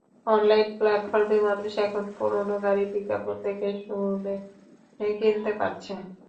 Online প্ল্যাটফর্মে মানুষ এখন পুরোনো গাড়ির বিজ্ঞাপন দেখে শুনে কিনতে পারছে।